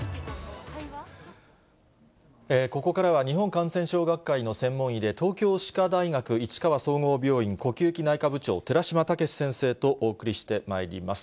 ここからは日本感染症学会の専門医で、東京歯科大学市川総合病院呼吸器内科部長、寺嶋毅先生とお送りしてまいります。